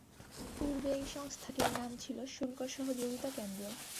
পূর্বে এই সংস্থাটির নাম ছিল শুল্ক সহযোগিতা কেন্দ্র।